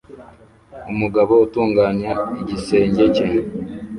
Umugabo utunganya igisenge cye